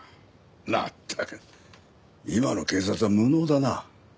まったく今の警察は無能だな。